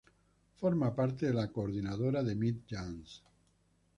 Forma parte de la Coordinadora de Mitjans